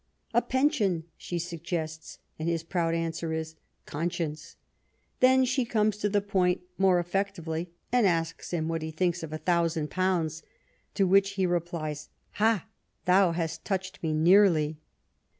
" A pension," she suggests, and his proud answer is " Conscience 1" Then she comes to the point more effectively, and asks him what he thinks of " A thousand pounds," to which he replies :" Ha ; thou hast touched me nearly!"